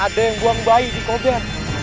ada yang buang bayi di koja